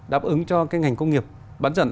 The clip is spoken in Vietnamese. đáp ứng cho ngành công nghiệp bán dẫn